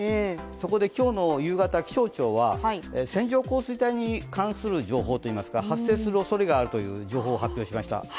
そこで今日の夕方、気象庁は線状降水帯に関する情報といいますか、発生するおそれがあるという情報を発表しました。